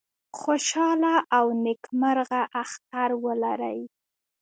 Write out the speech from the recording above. خوشاله او نیکمرغه اختر ولرئ